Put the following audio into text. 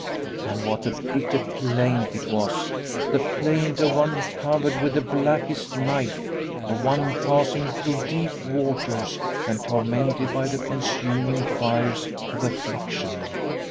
And what a bitter plaint it was, the plaint of one covered with the blackest night, of one passing through deep waters, and tormented by the consuming fires of affliction.